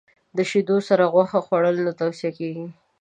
د شیدو سره غوښه خوړل نه توصیه کېږي.